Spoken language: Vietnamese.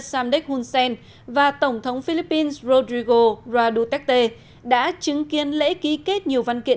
samdek hunsen và tổng thống philippines rodrigo raduterte đã chứng kiến lễ ký kết nhiều văn kiện